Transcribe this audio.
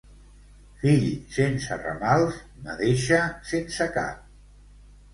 Fill sense ramals, madeixa sense cap.